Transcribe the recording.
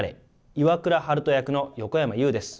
岩倉悠人役の横山裕です。